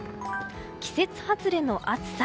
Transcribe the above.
季節外れの暑さ。